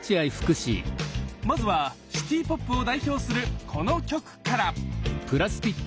まずはシティーポップを代表するこの曲から！